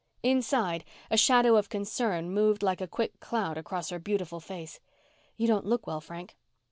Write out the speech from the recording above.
Inside, a shadow of concern moved like a quick cloud across her beautiful face. "You don't look well, Frank."